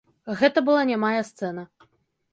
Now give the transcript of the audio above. Гэта была нямая сцэна.